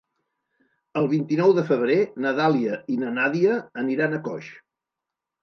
El vint-i-nou de febrer na Dàlia i na Nàdia aniran a Coix.